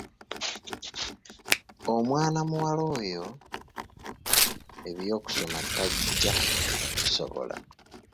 Omwana muwala oyo eby’okusoma tajja kubisobola.